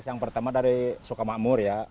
yang pertama dari sukamakmur ya